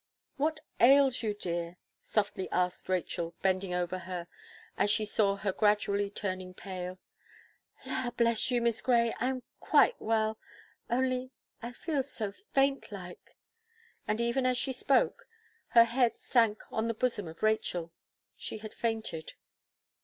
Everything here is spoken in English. "What ails you, dear?" softly asked Rachel, bending over her, as she saw her gradually turning pale. "La! bless you. Miss Gray, I am quite well only I feel so faint like." And even as she spoke, her head sank on the bosom of Rachel she had fainted.